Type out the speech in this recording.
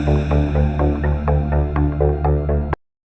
kalian gak mau cabut kan